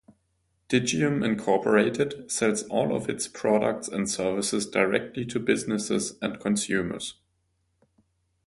Digium, Incorporated sells all of its products and services directly to businesses and consumers.